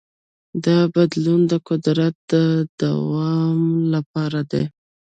دا بدلون د قدرت د دوام لپاره دی.